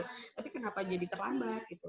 tapi kenapa jadi terlambat gitu